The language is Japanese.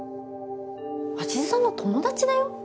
鷲津さんの友達だよ？